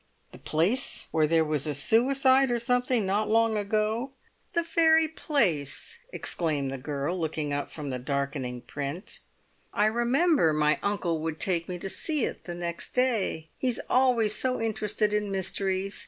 "The place where there was a suicide or something not long ago?" "The very place!" exclaimed the girl, looking up from the darkening print. "I remember my uncle would take me to see it next day. He's always so interested in mysteries.